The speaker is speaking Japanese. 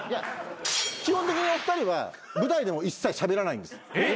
基本的にお二人は舞台でも一切しゃべらないんです。